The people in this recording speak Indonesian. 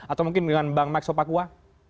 atau mungkin dengan bang max opakwa